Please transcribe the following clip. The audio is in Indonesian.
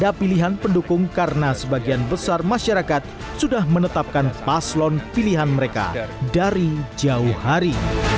ada pilihan pendukung karena sebagian besar masyarakat sudah menetapkan paslon pilihan mereka dari jauh hari